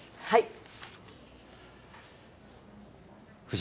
はい。